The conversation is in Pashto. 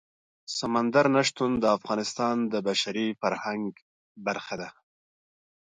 سمندر نه شتون د افغانستان د بشري فرهنګ برخه ده.